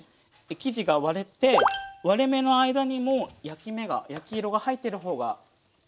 生地が割れて割れ目の間にも焼き目が焼き色が入っている方が理想です。